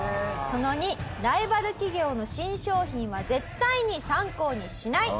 その２ライバル企業の新商品は絶対に参考にしない。